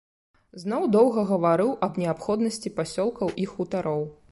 Зноў доўга гаварыў аб неабходнасці пасёлкаў і хутароў.